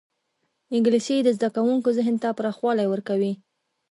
انګلیسي د زدهکوونکو ذهن ته پراخوالی ورکوي